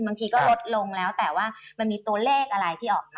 บางทีก็ลดลงแล้วแต่ว่ามันมีตัวเลขอะไรที่ออกมา